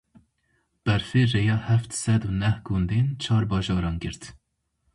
Berfê rêya heft sed û neh gundên çar bajaran girt.